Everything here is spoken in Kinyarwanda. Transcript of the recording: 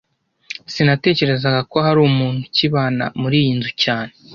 Sinatekerezaga ko hari umuntu ukibana muriyi nzu cyane